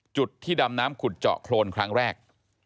จุดที่ดำน้ำขุดเจาะโครนครั้งแรก